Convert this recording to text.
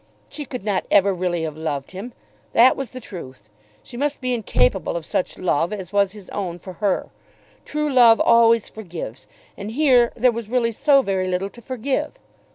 She could not ever really have loved him. That was the truth. She must be incapable of such love as was his own for her. True love always forgives. And here there was really so very little to forgive!